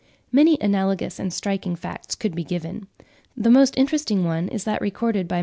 Many analogous and striking facts could be given. The most interesting one is that recorded by Mr. Wallace (7.